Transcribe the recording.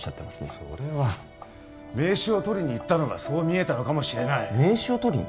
それは名刺を取りに行ったのがそう見えたのかもしれない名刺を取りに？